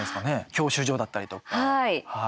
教習所だったりとか。